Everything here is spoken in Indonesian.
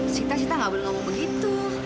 sita sita gak boleh ngomong begitu